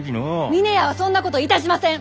峰屋はそんなこといたしません！